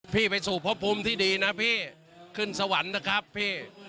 ไปสู่พบภูมิที่ดีนะพี่ขึ้นสวรรค์นะครับพี่